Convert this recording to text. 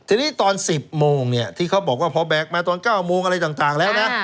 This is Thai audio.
ทีนี้ตอน๑๐โมงเนี่ยที่เขาบอกว่าพอแบกมาตอน๙โมงอะไรต่างแล้วนะ